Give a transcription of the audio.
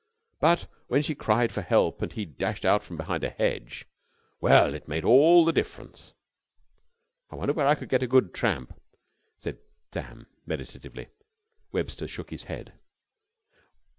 But, when she cried for help, and he dashed out from behind a hedge, well, it made all the difference." "I wonder where I could get a good tramp," said Sam, meditatively. Webster shook his head.